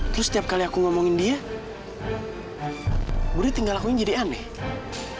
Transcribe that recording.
terus setiap kali aku ngomongin dia budi tinggal lakuin jadi aneh